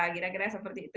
kira kira seperti itu